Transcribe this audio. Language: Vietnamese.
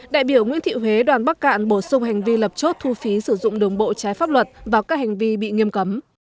đại biểu nguyễn thị huế đoàn bắc cạn bổ sung hành vi lập chốt thu phí sử dụng đường bộ trái pháp luật vào các hành vi bị nghiêm cấm